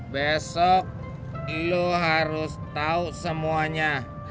besok lu harus tahu semuanya